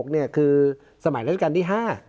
๒๔๔๖เนี่ยคือสมัยรัฐการณ์ที่๕